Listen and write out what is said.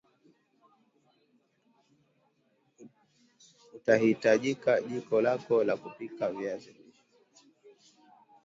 Utahitaji jiko lako la kupikia viazi lishe